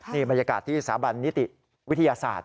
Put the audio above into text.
นี่บรรยากาศที่สถาบันนิติวิทยาศาสตร์